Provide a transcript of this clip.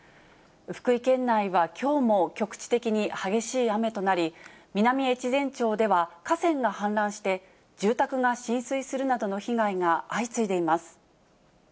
福井県内はきょうも局地的に激しい雨となり、南越前町では、河川が氾濫して、住宅が浸水するなどの被害が相次いでいます。